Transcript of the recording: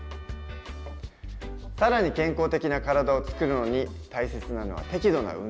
更に健康的な体をつくるのに大切なのは適度な運動。